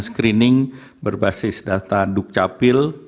screening berbasis data dukcapil